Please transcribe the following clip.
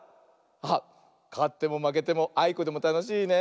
あっかってもまけてもあいこでもたのしいね。